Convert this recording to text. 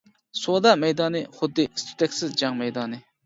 سودا مەيدانى خۇددى ئىس-تۈتەكسىز جەڭ مەيدانى.